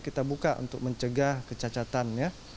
kita buka untuk mencegah kecacatan ya